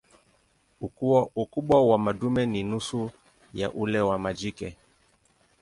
Ukubwa wa madume ni nusu ya ule wa majike.